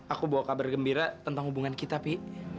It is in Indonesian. aku bawa kabar gembira tentang hubungan kita pi